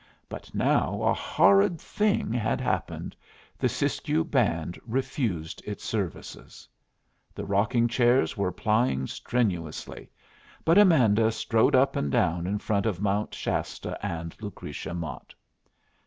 But now a horrid thing had happened: the Siskiyou band refused its services! The rocking chairs were plying strenuously; but Amanda strode up and down in front of Mount Shasta and Lucretia Mott.